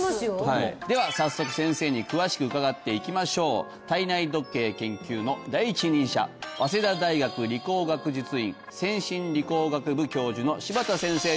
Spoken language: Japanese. では早速先生に詳しく伺っていきましょう体内時計研究の第一人者早稲田大学理工学術院先進理工学部教授の柴田先生です